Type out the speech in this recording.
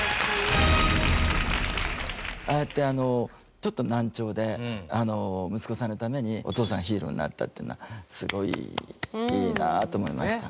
ああやってちょっと難聴で息子さんのためにお父さんがヒーローになったっていうのはすごいいいなあと思いました。